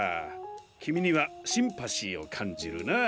きみにはシンパシーをかんじるなー。